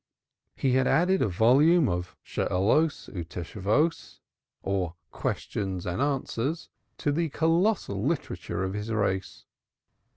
He had added a volume of Shaaloth u Tshuvoth, or "Questions and Answers" to the colossal casuistic literature of his race.